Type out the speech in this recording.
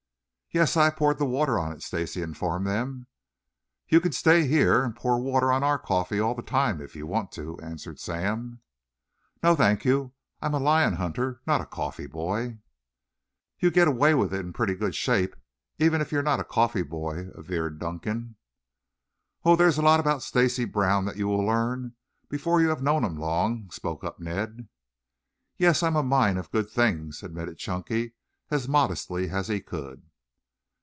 "Yes, I poured the water on it," Stacy informed them. "You can stay here and pour water on our coffee all the time, if you want to," answered Sam. "No, thank you. I am a lion hunter, not a coffee boy." "You get away with it in pretty good shape even if you're not a coffee boy," averred Dunkan. "Oh, there's a lot about Stacy Brown that you will learn before you have known him long," spoke up Ned. "Yes, I'm a mine of good things," admitted Chunky as modestly as he could.